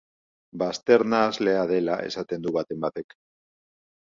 Bazter-nahaslea dela esaten du baten batek.